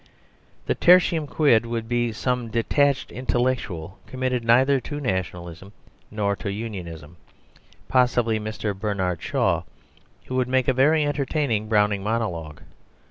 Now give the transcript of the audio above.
The "Tertium Quid" would be some detached intellectual, committed neither to Nationalism nor to Unionism, possibly Mr. Bernard Shaw, who would make a very entertaining Browning monologue.